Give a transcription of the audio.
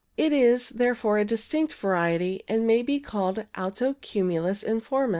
It is therefore a distinct variety, and may be called alto cumulus informis.